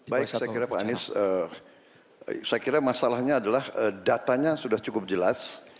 baik saya kira pak anies saya kira masalahnya adalah datanya sudah cukup jelas